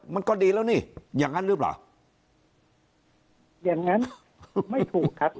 มันก็ดีแล้วนี่อย่างนั้นหรือเปล่าอย่างนั้นไม่ถูกครับ